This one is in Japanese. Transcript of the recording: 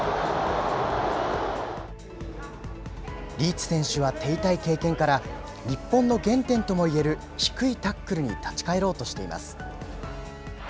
リーチ選手は手痛い経験から、日本の原点ともいえる低いタックルに立ち返ろうとしています。